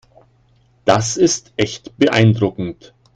Das ist echt beeindruckend.